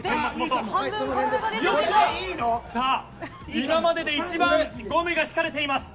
今までで一番ゴムが引かれています。